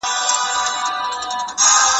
ماشومان د والدینو روغتیا ته پام کوي.